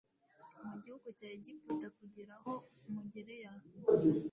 mu gihugu cya egiputa kugera aho mugereye aha